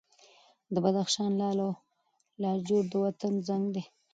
د بدخشان لعل او لاجورد د وطن رنګ دی.